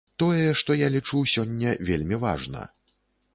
Тое, што я лічу, сёння вельмі важна.